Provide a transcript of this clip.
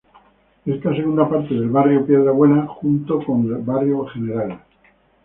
Esta segunda parte del Barrio Piedrabuena, junto con el Barrio Gral.